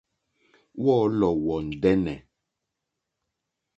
Wɔ̌lɔ̀ wɔ̀ ndɛ́nɛ̀.